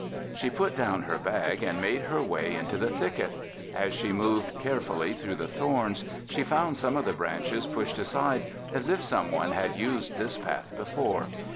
She put down her bag and made her way into the thicket. As she moved carefully through the thorns, she found some of the branches pushed aside as if someone had used this path before.